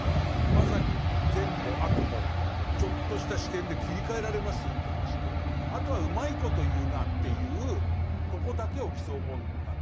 まさに善も悪もちょっとした視点で切り替えられますよという話であとはうまいこと言うなあっていうとこだけを競うもんなんだけど。